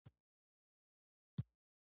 پر اسونو سپارې شوې.